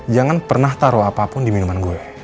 jangan pernah taruh apapun di minuman gue